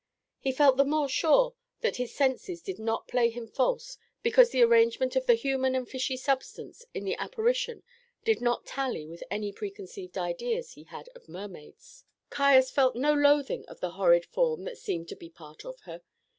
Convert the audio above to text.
He felt the more sure that his senses did not play him false because the arrangement of the human and fishy substance of the apparition did not tally with any preconceived ideas he had of mermaids. Caius felt no loathing of the horrid form that seemed to be part of her.